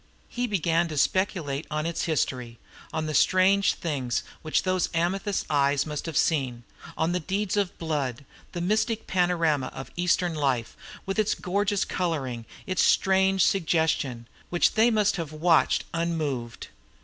He began to speculate on its history, on the strange things which those amethyst eyes must have seen, on the deeds of blood, the mystic panorama of Eastern life, with its gorgeous colouring, its strange suggestion, which they must have watched unmoved.